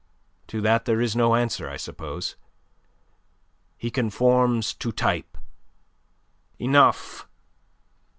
To that there is no answer, I suppose. He conforms to type. Enough!